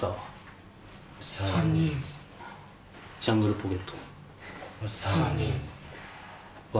ジャングルポケットは？